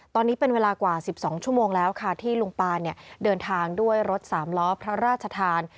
ตอนนี้เป็นเวลากว่า๑๒ชั่วโมงแล้วค่ะที่ลุงปานเดินทางด้วยรถสามล้อพระราชทาน